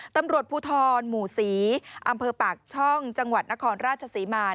ตำรวจภูทรหมู่ศรีอำเภอปากช่องจังหวัดนครราชศรีมา